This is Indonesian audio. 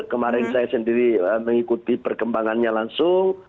kemarin saya sendiri mengikuti perkembangannya langsung